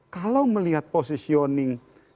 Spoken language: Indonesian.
kalau melihat posisioning